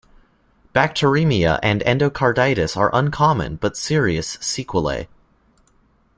Bacteremia and endocarditis are uncommon but serious sequelae.